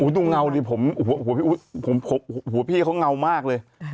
ดูเงาดิผมหัวพี่เขาเงามากเลย